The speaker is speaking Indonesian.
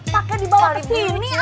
pake dibawa kesini